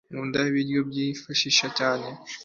nkunda ibiryo byigifaransa cyane